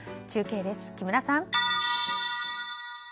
中継です、木村さん。